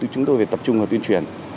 chúng tôi phải tập trung vào tuyên truyền